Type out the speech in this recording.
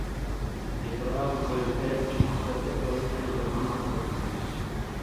Je pro nás důležité učinit v této oblasti rozhodný pokrok.